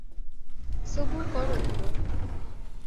সবুর কর, হিরো।